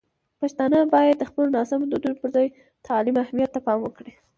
پښتانه باید د خپلو ناسمو دودونو پر ځای د تعلیم اهمیت ته پام وکړي.